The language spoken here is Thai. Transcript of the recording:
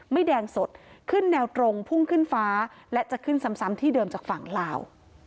แดงสดขึ้นแนวตรงพุ่งขึ้นฟ้าและจะขึ้นซ้ำที่เดิมจากฝั่งลาว